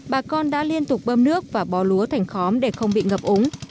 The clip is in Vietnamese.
bà con đã liên tục bơm nước và bó lúa thành khóm để không bị ngập úng